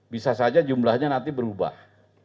bisa saja jumlahnya nanti berubah